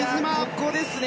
ここですね。